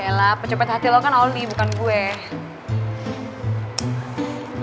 ya elah pencopet hati lo kan oli bukan gue